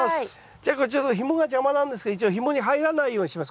じゃあこれちょっとひもが邪魔なんですけど一応ひもに入らないようにします。